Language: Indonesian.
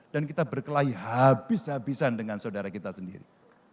dan kita berkelahi habis habisan dengan saudara kita sendiri